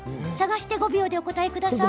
５秒でお答えください。